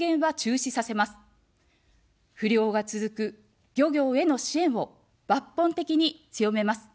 不漁が続く漁業への支援を抜本的に強めます。